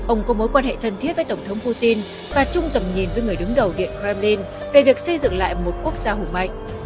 ông có mối quan hệ thân thiết với tổng thống putin và chung tầm nhìn với người đứng đầu điện kremlin về việc xây dựng lại một quốc gia hùng mạnh